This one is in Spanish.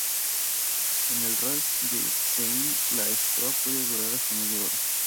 En el raz de Sein la estoa puede durar hasta media hora.